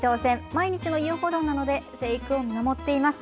毎日の遊歩道なので生育を守っています。